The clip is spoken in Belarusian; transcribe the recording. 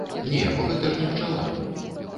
Не, бо гэта ж не пчала.